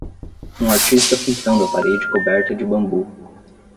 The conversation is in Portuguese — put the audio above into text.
Um artista pintando a parede coberta de bambu.